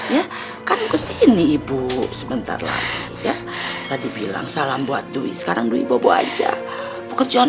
ya kan kesini ibu sebentar lagi ya tadi bilang salam buat duit sekarang duit aja pekerjaan